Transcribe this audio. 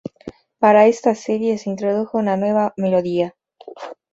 Para esta serie se introdujo una nueva melodía.